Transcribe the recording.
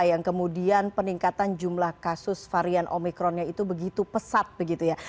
yang kemudian peningkatan jumlah kasus varian omikronnya itu begitu pesat begitu ya